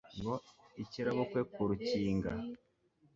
Ngo ikirabukwe ku rukinga